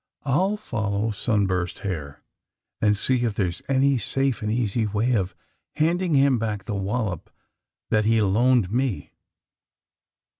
I'll fol low Sunburst Hair and see if there's any safe and easy way of handing him back the wallop that he loaned me.